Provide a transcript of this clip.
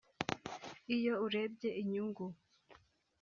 iyo urebye inyungu